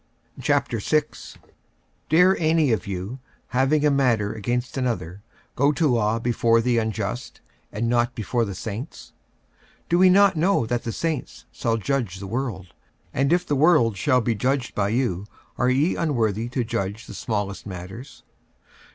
46:006:001 Dare any of you, having a matter against another, go to law before the unjust, and not before the saints? 46:006:002 Do ye not know that the saints shall judge the world? and if the world shall be judged by you, are ye unworthy to judge the smallest matters?